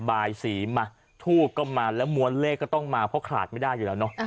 บายสีมาทูบก็มาแล้วม้วนเลขก็ต้องมาเพราะขาดไม่ได้อยู่แล้วเนอะ